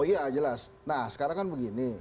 oh iya jelas nah sekarang kan begini